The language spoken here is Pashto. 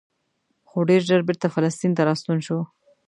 خو ډېر ژر بېرته فلسطین ته راستون شو.